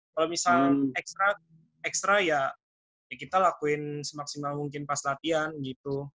kalau misalnya ekstra ya kita lakuin semaksimal mungkin pas latihan gitu